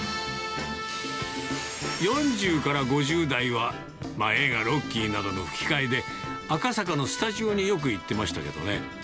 ４０から５０代は、映画、ロッキーなどの吹き替えで、赤坂のスタジオによく行ってましたけどね。